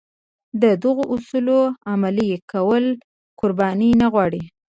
د دغو اصولو عملي کول قرباني نه غواړي.